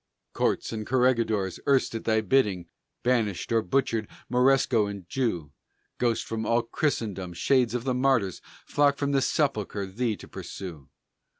Courts and corregidors erst at thy bidding Banished or butchered Moresco and Jew; Ghosts from all Christendom, shades of the Martyrs Flock from the sepulchre thee to pursue.